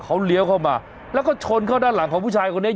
เขาเลี้ยวเข้ามาแล้วก็ชนเข้าด้านหลังของผู้ชายคนนี้